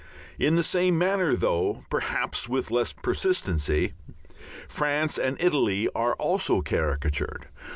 In the same manner, though perhaps with less persistency, France and Italy are also caricatured.